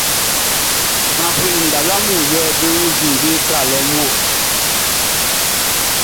Gbanflɛn nin talua mun yɛ be wunnzin be tralɛ mun ɔn.